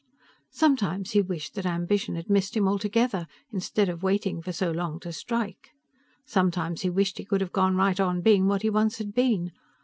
Sometimes he wished that ambition had missed him altogether instead of waiting for so long to strike. Sometimes he wished he could have gone right on being what he once had been.